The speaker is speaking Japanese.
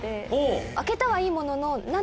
開けたはいいものの。